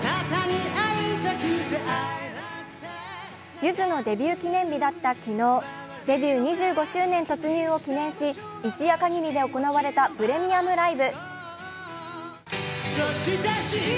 ゆずのデビュー記念日だった昨日、デビュー２５周年突入を記念し一夜限りで行われたプレミアムライブ。